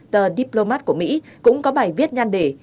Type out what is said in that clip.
tờ depromat của mỹ cũng có bài viết nhan đề